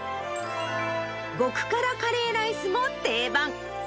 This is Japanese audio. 極辛カレーライスも定番。